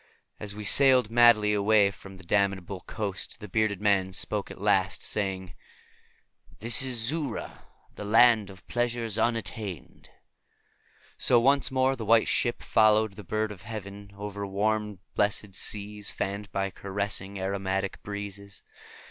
And as we sailed madly away from that damnable coast the bearded man spoke at last, saying, "This is Xura, the Land of Pleasures Unattained." So once more the White Ship followed the bird of heaven, over warm blessed seas fanned by caressing, aromatic breezes.